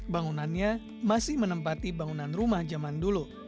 bangunannya masih menempati bangunan rumah zaman dulu